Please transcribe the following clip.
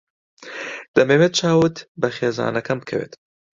دەمەوێت چاوت بە خێزانەکەم بکەوێت.